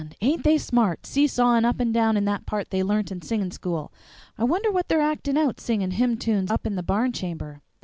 ain't they smart, seesawin' up and down in that part they learnt in singin' school! I wonder what they're actin' out, singin' hymn tunes up in the barn chamber?